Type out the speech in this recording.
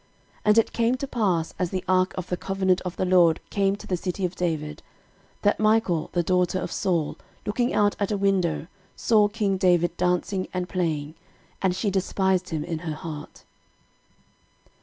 13:015:029 And it came to pass, as the ark of the covenant of the LORD came to the city of David, that Michal, the daughter of Saul looking out at a window saw king David dancing and playing: and she despised him in her heart.